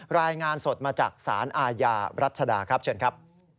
รายงานสดมาจากสารอาญารัชดาครับเชิญครับ